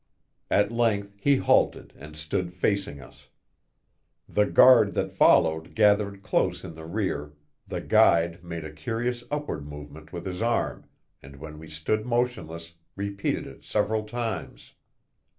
At length he halted and stood facing us. The guard that followed gathered close in the rear, the guide made a curious upward movement with his arm, and when we stood motionless repeated it several times.